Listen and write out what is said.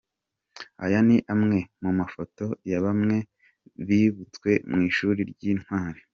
Aya ni amwe mu mafoto ya bamwe bibutswe mu Ishuri ry'Intwari.